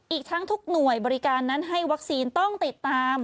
อีกทั้งทุกหน่วยบริการนั้นให้วัคซีนต้องติดตาม